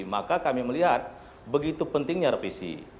maka kami melihat begitu pentingnya revisi